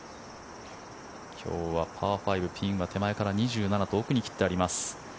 今日はパー５ピンは手前から２７と奥に切ってあります。